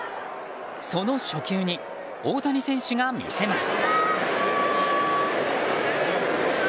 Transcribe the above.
その初球に大谷選手が魅せます。